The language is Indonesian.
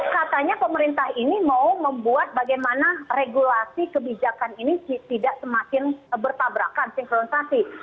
katanya pemerintah ini mau membuat bagaimana regulasi kebijakan ini tidak semakin bertabrakan sinkronisasi